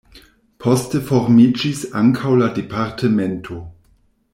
Poste formiĝis ankaŭ la departemento.